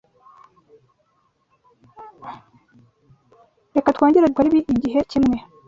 Reka twongere dukore ibi igihe kimwe.